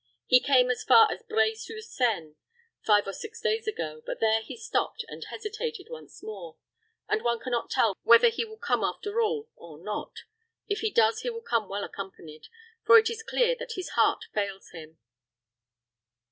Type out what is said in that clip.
He came as far as Bray sur Seine five or six days ago; but there he stopped and hesitated once more; and one can not tell whether he will come after all or not. If he does he will come well accompanied; for it is clear that his heart fails him."